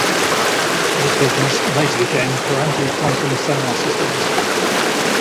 This business later became Ferranti Thomson Sonar Systems.